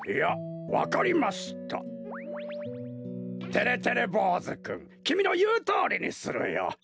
てれてれぼうずくんきみのいうとおりにするよ。